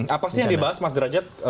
apa sih yang dibahas mas derajat